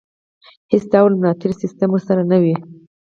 هېڅ ډول ملاتړی سیستم ورسره نه وي.